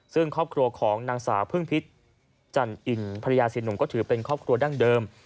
ซึ่งครอบครัวของนางสาวพึ่งพิษจันอินภรรยาเสียหนุ่มก็ถือเป็นครอบครัวดั้งเดิม